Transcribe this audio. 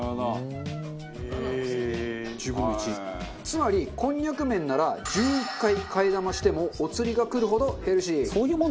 つまりこんにゃく麺なら１１回替玉してもお釣りがくるほどヘルシー。